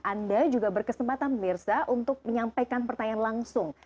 anda juga berkesempatan pemirsa untuk menyampaikan pertanyaan langsung